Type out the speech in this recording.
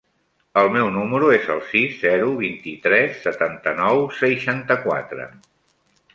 El meu número es el sis, zero, vint-i-tres, setanta-nou, seixanta-quatre.